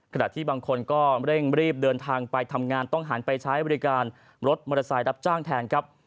ขณะที่บางคนก็เร่งรีบเดินทางไปทำงานต้องหันไปใช้บริการรถมอเตอร์ไซค์รับจ้างแทนครับ